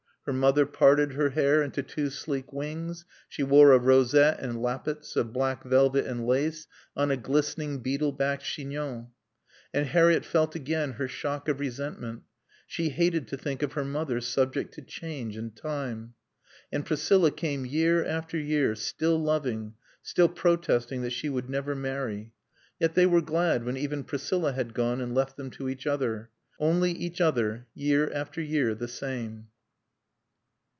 Her mother parted her hair into two sleek wings; she wore a rosette and lappets of black velvet and lace on a glistening beetle backed chignon. And Harriett felt again her shock of resentment. She hated to think of her mother subject to change and time. And Priscilla came year after year, still loving, still protesting that she would never marry. Yet they were glad when even Priscilla had gone and left them to each other. Only each other, year after year the same.